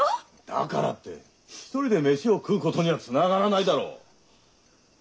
だからって一人で飯を食うことにはつながらないだろ。